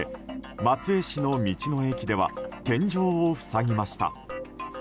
松江市の道の駅では天井を塞ぎました。